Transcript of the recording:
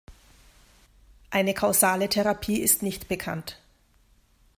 Eine kausale Therapie ist nicht bekannt.